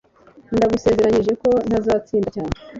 Ndagusezeranije ko ntazatinda cyane